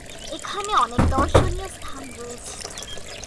এখানে অনেক দর্শনীয় স্থান রয়েছে।